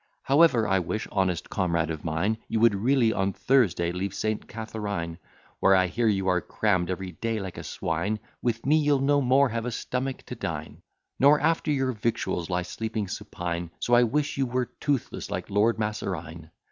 However, I wish, honest comrade of mine, You would really on Thursday leave St. Catharine, Where I hear you are cramm'd every day like a swine; With me you'll no more have a stomach to dine, Nor after your victuals lie sleeping supine; So I wish you were toothless, like Lord Masserine.